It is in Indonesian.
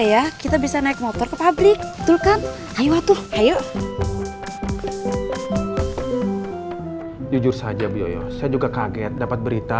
ya kita bisa naik motor ke pabrik betulkan ayo atuh ayo jujur saja saya juga kaget dapat berita